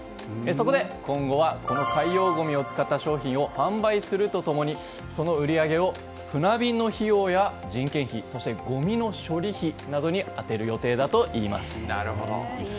そこで、今後はこの海洋ごみを使った商品を販売すると共にその売り上げを船便の費用や人件費、そしてごみの処理費などに当てる予定だといいます。